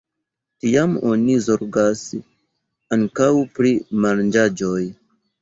Tiam oni zorgas ankaŭ pri manĝaĵoj.